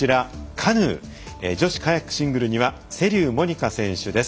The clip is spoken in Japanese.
カヌー女子カヤックシングルには瀬立モニカ選手です。